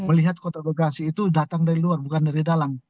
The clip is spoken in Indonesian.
melihat kota bekasi itu datang dari luar bukan dari dalang